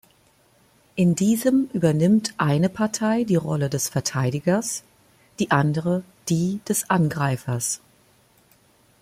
In diesem übernimmt eine Partei die Rolle des Verteidigers, die andere die des Angreifers.